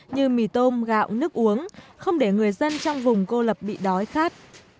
như mì tôm gạo nước uống không để người dân trong vùng cô lập bị đói khát